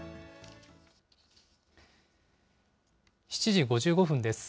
７時５５分です。